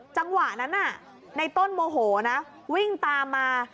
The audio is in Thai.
จังหวะนั้นในต้นโมโหนะวิ่งตามมา